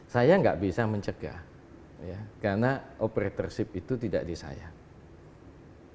saya nggak bisa mencegah karena operatorship itu tidak disayangkan